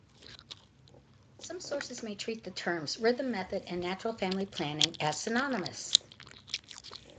Some sources may treat the terms "rhythm method" and "natural family planning" as synonymous.